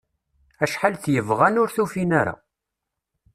Acḥal t- yebɣan, ur tufin-ara.